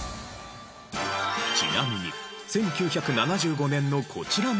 ちなみに１９７５年のこちらの曲は。